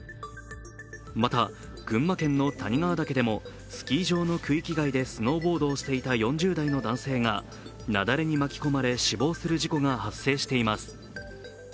また、群馬県の谷川岳でもスキー場の区域外でスノーボードをしていた４０代の男性が雪崩に巻き込まれ死亡する事故が発生しています。